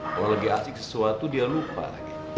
kalau lagi asyik sesuatu dia lupa lagi